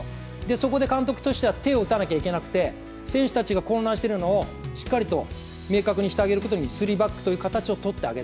そこで監督としては、手を打たなくちゃいけなくて選手たちが混乱してるのを明確にしてあげるためにスリーバックという形を取った。